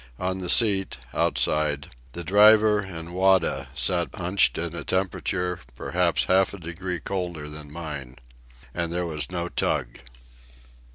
On the seat, outside, the driver and Wada sat hunched in a temperature perhaps half a degree colder than mine. And there was no tug.